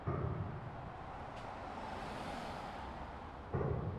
কিন্তু তাহাকে লইতে এ-পর্যন্ত একটিও তো লোক আসিল না!